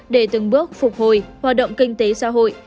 để từng bước phục hồi hoạt động kinh tế xã hội